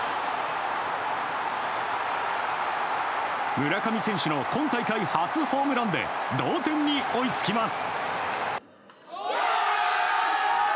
村上選手の今大会初ホームランで同点に追いつきます。